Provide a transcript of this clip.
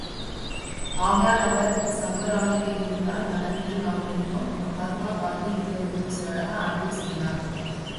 ஆகையால் அவர் சம்பரானிலே இருந்தால் நலமென்று நாங்கள் எண்ணினோம். மகாத்மாக காந்தி கூறுவது போல் செய்வதாக ஆண்ட்ரூஸ் கூறினார்.